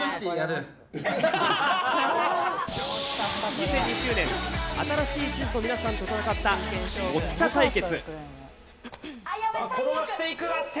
２０２０年、新しい地図の皆さんと戦ったボッチャ対決。